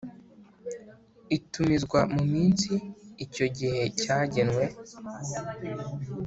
itumizwa mu minsi icyo gihe cyagenwe.